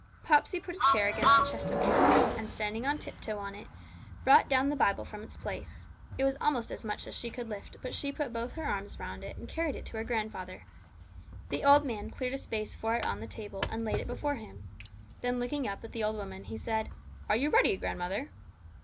Popsey put a chair against the chest of drawers, and, standing on tiptoe on it, brought down the Bible from its place. It was almost as much as she could lift, but she put both her arms round it, and carried it to her grandfather. The old man cleared a space for it on the table, and laid it before him. Then, looking up at the old woman, he said 'Are you ready, grandmother?'